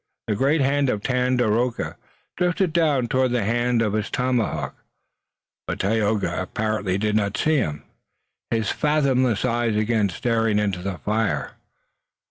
The great hand of Tandakora drifted down toward the handle of his tomahawk, but Tayoga apparently did not see him, his fathomless eyes again staring into the fire.